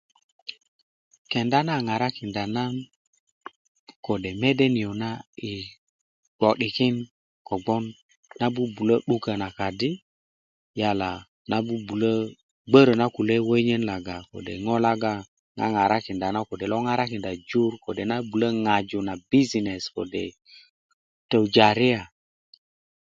kenda na ŋarakinda nan kode' mede niyo' na yi gno'dikin kogboŋ nan bubulö 'dughö nan kadi nan bubulö gbörö na kule' wönyön laga kode' ŋo laga kode lo ŋarakinda jur kode' nan bubulö ŋaju na bijinesi ko'de tujariya